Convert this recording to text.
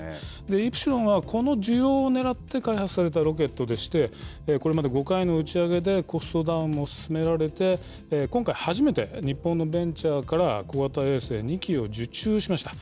イプシロンはこの需要をねらって開発されたロケットでして、これまで５回の打ち上げでコストダウンも進められて、今回、初めて、日本のベンチャーから、小型衛星２機を受注しました。